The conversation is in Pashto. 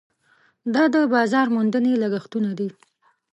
دا د بازار موندنې لګښټونه دي.